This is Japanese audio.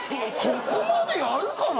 そこまでやるかな？